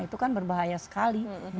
itu kan berbahaya sekali